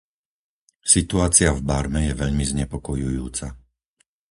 Situácia v Barme je veľmi znepokojujúca.